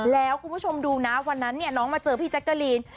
แล้วคุณผู้ชมดูนะวันนั้นเนี่ยน้องมาเจอพี่แจ๊กกะลีน